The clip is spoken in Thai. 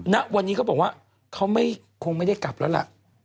ณวันนี้เขาบอกว่าเขาคงไม่ได้กลับแล้วล่ะ